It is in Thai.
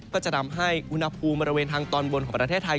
ก็จะทำให้อุณหภูมิบริเวณทางตอนบนของประเทศไทย